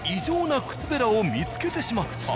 な靴べらを見つけてしまった。